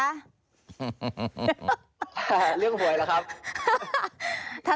เรื่องหวยละครับ